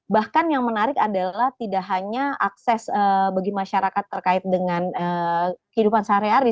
bahkan yang menarik adalah tidak hanya akses bagi masyarakat terkait dengan kehidupan sehari hari